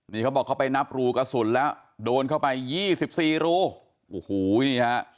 นี่เขาบอกเขาไปนับรูกระสุนแล้วโดนเข้าไปยี่สิบสี่รูโอ้โหนี่ฮะ